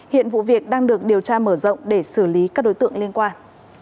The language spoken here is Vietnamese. hiện vụ việc đang được điều tra mở rộng để xử lý các đối tượng liên quan